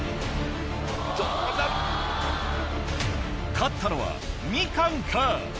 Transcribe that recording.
勝ったのはみかんか？